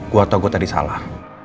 gue tau gue tadi salah